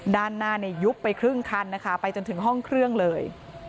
ด้านหน้าเนี่ยยุบไปครึ่งคันนะคะไปจนถึงห้องเครื่องเลย